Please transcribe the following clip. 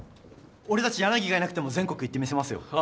俺たち柳がいなくても全国行ってみせますよ。